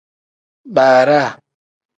Baaraa.